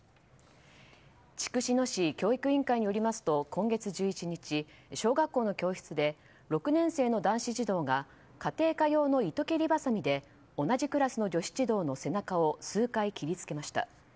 筑紫野市教育委員会によりますと今月１１日小学校の教室で６年生の男子児童が家庭科用の糸切りばさみで同じクラスの女子児童の背中を数回、切りつけました。